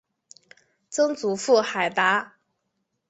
曾祖父海达。